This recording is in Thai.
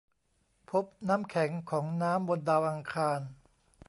พบน้ำแข็งของน้ำบนดาวอังคาร